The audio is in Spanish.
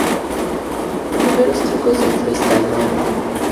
Primeros trucos del freestyle moderno.